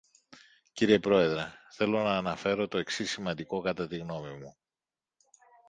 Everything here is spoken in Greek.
Κύριε Πρόεδρε, θέλω να αναφέρω το εξής σημαντικό κατά τη γνώμη μου.